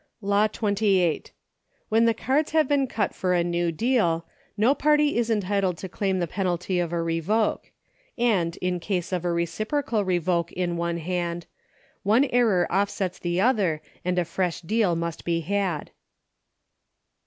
Law XXVIII. When the cards have been cut for a new deal, no party is entitled to claim the penalty of a revoke ; and, in case of a reciprocal re voke in one hand, one error offsets the other and a fresh deal must be had.